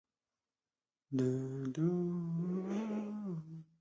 ناصر خسرو خپل يونليک ليکلی دی.